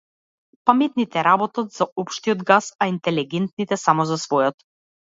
Паметните работат за општиот газ, а интелегентните само за својот.